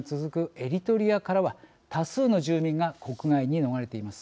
エリトリアからは多数の住民が国外に逃れています。